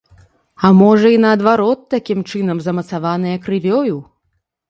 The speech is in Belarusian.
А можа, і наадварот такім чынам змацаванае крывёю.